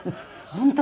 本当？